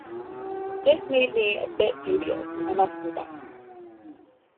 This made me a bit dubious, I must confess.